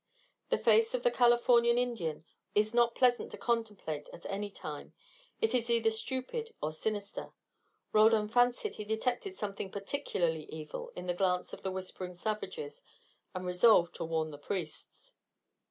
The face of the Californian Indian is not pleasant to contemplate at any time: it is either stupid or sinister. Roldan fancied he detected something particularly evil in the glance of the whispering savages, and resolved to warn the priests.